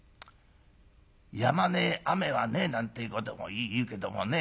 やまねえ雨はねえなんてえことも言うけどもね